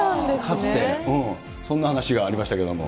かつて、そんな話がありましたけれども。